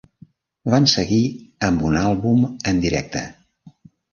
Van seguir amb un àlbum en directe.